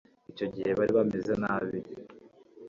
Icyo gihe bari bameze nabi